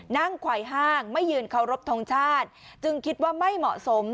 ไขว้ห้างไม่ยืนเคารพทงชาติจึงคิดว่าไม่เหมาะสม